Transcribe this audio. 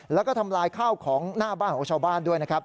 แล้วก็ทำลายข้าวของหน้าบ้านของชาวบ้านด้วยนะครับ